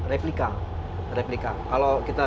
replika replika kalau kita